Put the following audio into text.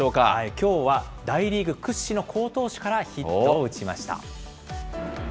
きょうは大リーグ屈指の好投手からヒットを打ちました。